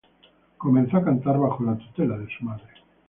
Comenzó a cantar bajo la tutela de su madre.